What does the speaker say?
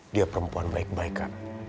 dia perempuan baik baikan